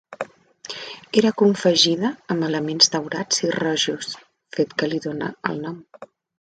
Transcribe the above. Era confegida amb elements daurats i rojos, fet que li dona el nom.